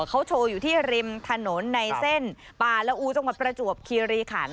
เขาโชว์อยู่ที่ริมถนนในเส้นป่าละอูจังหวัดประจวบคีรีขัน